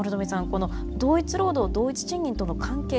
この同一労働同一賃金との関係